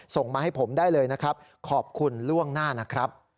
ส่งมาให้ผมได้เลยนะครับขอบคุณล่วงหน้านะครับ